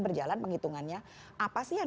berjalan penghitungannya apa sih yang